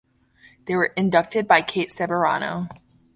They were inducted by Kate Ceberano.